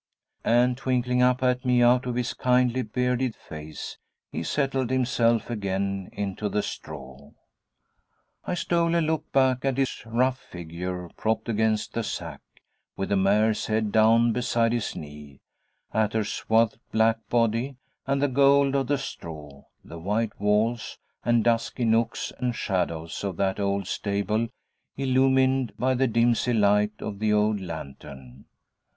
And twinkling up at me out of his kindly bearded face, he settled himself again into the straw. I stole a look back at his rough figure propped against the sack, with the mare's head down beside his knee, at her swathed black body, and the gold of the straw, the white walls, and dusky nooks and shadows of that old stable illumined by the dimsy light of the old lantern.